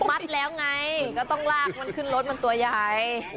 มัดแล้วไงก็ต้องลากมันขึ้นรถมันตัวใหญ่